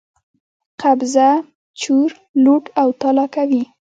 قبضه، چور، لوټ او تالا کوي.